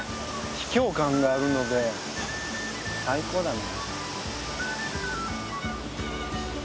秘境感があるので最高だね。